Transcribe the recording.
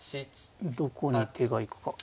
どこに手が行くか。